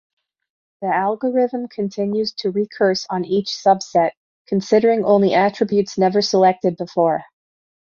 The algorithm continues to recurse on each subset, considering only attributes never selected before.